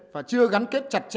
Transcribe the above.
và chưa gắn kết chặt